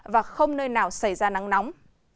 và không nơi nào xảy ra nắng nóng